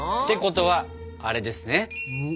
てことはあれですね？